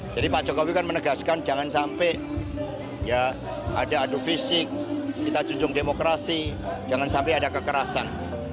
jadi pak jokowi kan menegaskan jangan sampai ya ada adu fisik kita junjung demokrasi jangan sampai ada kekerasan